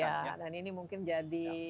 ya dan ini mungkin jadi